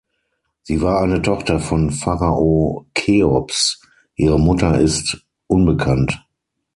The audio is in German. Sie war eine Tochter von Pharao Cheops, ihre Mutter ist unbekannt.